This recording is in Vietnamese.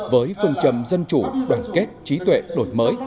với phương trầm dân chủ đoàn kết trí tuệ đổi mới